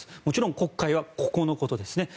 もちろん黒海はここのことです。